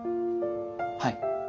はい。